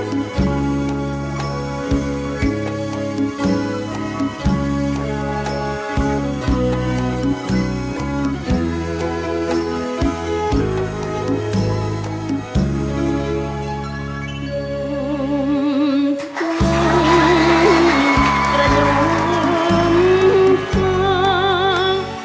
ภูมิคุณภูมิคุณ